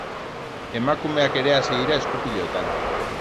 Emakumeak ere hasi dira esku-pilotan.